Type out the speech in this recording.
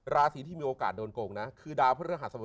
เรื่องนี้มันจะได้คืนไหม